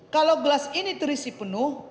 kalau gelas ini terisi penuh